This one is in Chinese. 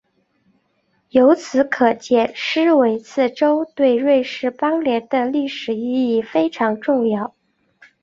由此可见施维茨州对瑞士邦联的历史意义非常重要。